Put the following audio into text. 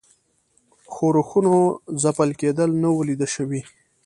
ښورښونو ځپل کېدل نه وه لیده شوي.